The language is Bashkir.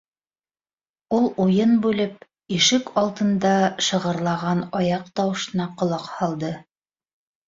— Ул уйын бүлеп, ишек алдында шығырлаған аяҡ тауышына ҡолаҡ һалды.